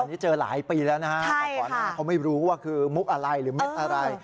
อันนี้เจอหลายปีแล้วนะฮะแต่ก่อนหน้าเขาไม่รู้ว่าคือมุกอะไรหรือเม็ดอะไร